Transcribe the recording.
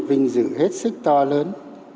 một vinh dự hết sức to lớn